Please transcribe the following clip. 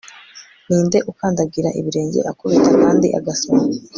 Ninde ukandagira ibirenge akubita kandi agasoma